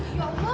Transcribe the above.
ibu itu itu